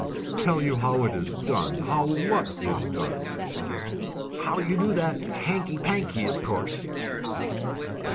"Tell you how it is done? How what is done?" "How you do that hanky panky, of course."